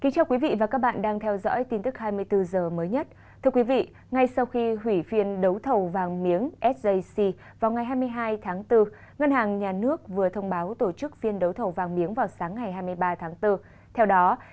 cảm ơn các bạn đã theo dõi và hẹn gặp lại trong các bản tin tiếp theo